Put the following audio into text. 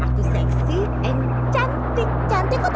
aku ingin menunggu kandunganmu